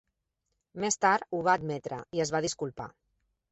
Més tard ho va admetre i es va disculpar.